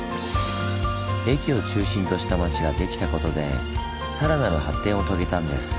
駅を中心とした町ができたことでさらなる発展を遂げたんです。